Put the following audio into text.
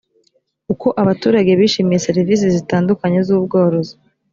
uko abaturage bishimiye serivisi zitandukanye z ubworozi